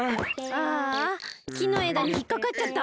ああきのえだにひっかかっちゃった。